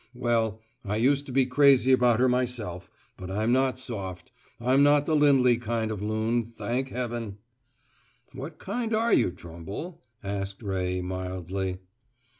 Well, I used to be crazy about her myself, but I'm not soft I'm not the Lindley kind of loon, thank heaven!" "What kind are you, Trumble?" asked Ray, mildly.